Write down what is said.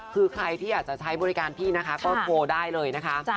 คือใครที่อยากจะใช้บริการพี่นะคะก็โทรได้เลยนะคะ